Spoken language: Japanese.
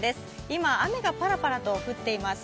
今、雨がパラパラと降っています。